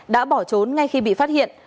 đã bỏ trốn ngay khi bị phát hiện